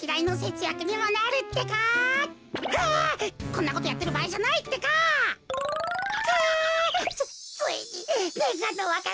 こんなことやってるばあいじゃないってか。か！